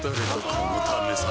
このためさ